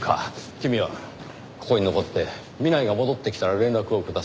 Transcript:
君はここに残って南井が戻ってきたら連絡をください。